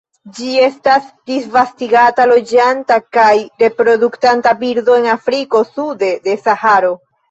Ĝi estas disvastigata loĝanta kaj reproduktanta birdo en Afriko sude de Saharo.